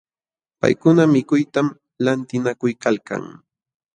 Paykuna mikuytam lantinakuykalkan.